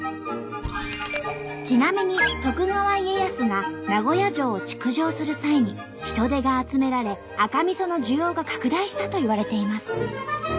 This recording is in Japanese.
ちなみに徳川家康が名古屋城を築城する際に人手が集められ赤みその需要が拡大したといわれています。